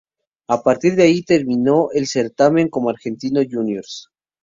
A partir de ahí, terminó el certamen como Argentinos Juniors.